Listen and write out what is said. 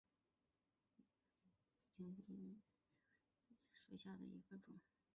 屏边溪边蕨为金星蕨科溪边蕨属下的一个种。